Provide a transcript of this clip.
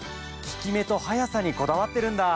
効き目と速さにこだわってるんだ。